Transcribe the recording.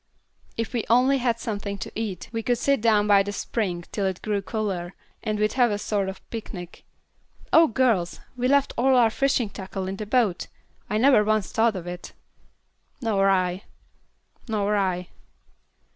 "If we only had something to eat we could sit down by the spring till it grew cooler, and we'd have a sort of a picnic. Oh, girls, we left all our fishing tackle in the boat! I never once thought of it." "Nor I." "Nor I."